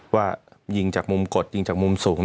ว่ายิงจากมุมกดยิงจากมุมสูง